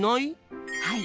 はい。